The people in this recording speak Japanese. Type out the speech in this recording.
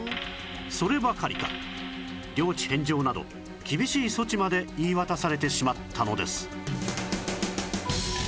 そればかりか領地返上など厳しい措置まで言い渡されてしまったのです